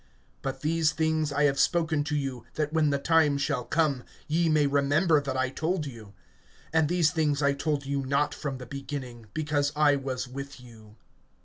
(4)But these things I have spoken to you, that when the time shall come, ye may remember that I told you. And these things I told you not from the beginning, because I was with you.